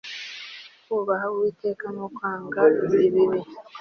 kubaha uwiteka ni ukwanga ibibi